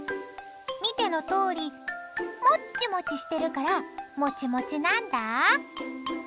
見てのとおりモッチモチしてるからもちもちなんだ。